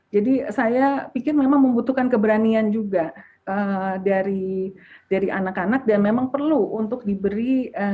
jadi saya pikir memang membutuhkan keberanian juga dari anak anak dan memang perlu untuk diberi